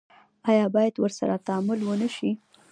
آیا باید ورسره تعامل ونشي؟